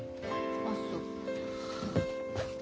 あっそう。